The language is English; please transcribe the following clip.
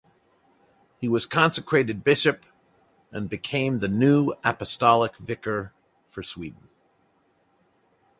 He was consecrated bishop and became the new apostolic vicar for Sweden.